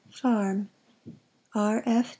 Farm R. F.